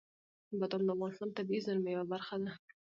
بادام د افغانستان د طبیعي زیرمو یوه برخه ده.